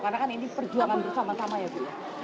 karena kan ini perjuangan bersama sama ya bu